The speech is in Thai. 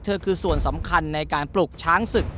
คือส่วนสำคัญในการปลุกช้างศึก